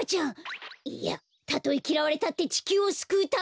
いやたとえきらわれたってちきゅうをすくうためだ！